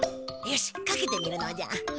よしかけてみるのじゃ。